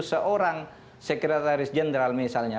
seorang sekretaris jenderal misalnya